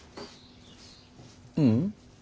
ううん。